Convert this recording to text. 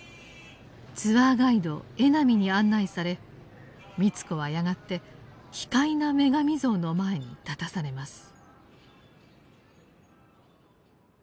ツアーガイド江波に案内され美津子はやがて奇怪な女神像の前に立たされます。